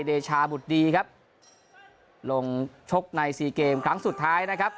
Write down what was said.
เดชาบุตรดีครับลงชกในสี่เกมครั้งสุดท้ายนะครับ